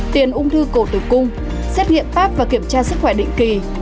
tiền ung thư cổ tử cung xét nghiệm táp và kiểm tra sức khỏe định kỳ